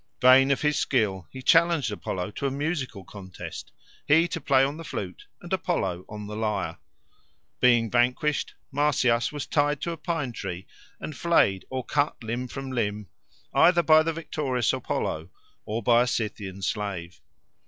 Vain of his skill, he challenged Apollo to a musical contest, he to play on the flute and Apollo on the lyre. Being vanquished, Marsyas was tied up to a pine tree and flayed or cut limb from limb either by the victorious Apollo or by a Scythian slave.